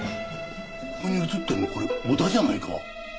ここに写ってるのこれ小田じゃないか？